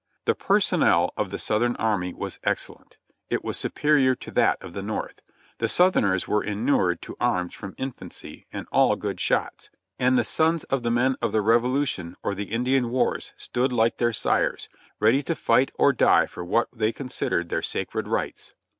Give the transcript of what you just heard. The personnel of the Southern army was excellent; it was superior to that of the North. The Southerners were inured to arms from infancy and all good shots, and the sons of the men of the Revolution or the Indian wars stood like their sires, ready to fight or die for what they considered their sacred rights.